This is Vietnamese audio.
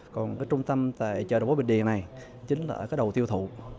còn cái trung tâm tại chợ đồng bố bình điền này chính là ở cái đầu tiêu thụ